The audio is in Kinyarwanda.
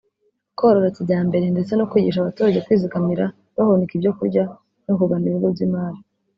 korora kijyambere ndetse no kwigisha abaturage kwizigamira bahunika ibyo kurya no kugana ibigo by’imari